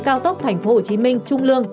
cao tốc tp hcm trung lương